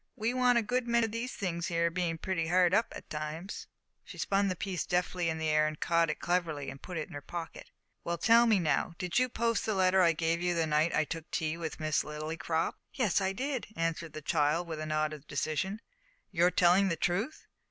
We want a good many o' these things here, bein' pretty hard up at times." She spun the piece deftly in the air, caught it cleverly, and put it in her pocket. "Well, tell me, now, did you post the letter I gave you the night I took tea with Miss Lillycrop?" "Yes, I did," answered the child, with a nod of decision. "You're telling the truth?"